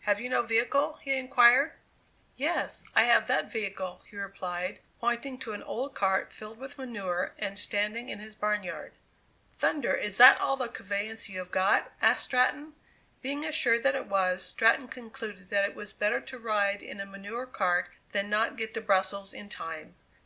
"Have you no vehicle?" he inquired. "Yes, I have that vehicle," he replied, pointing to an old cart filled with manure, and standing in his barnyard. "Thunder! is that all the conveyance you have got?" asked Stratton. Being assured that it was, Stratton concluded that it was better to ride in a manure cart than not get to Brussels in time.